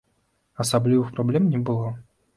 Асаблівых праблем не было.